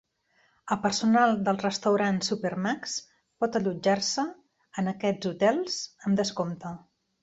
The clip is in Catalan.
El personal dels restaurants Supermacs pot allotjar-se en aquests hotels amb descompte.